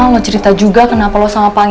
lo cerita juga kenapa lo sama panger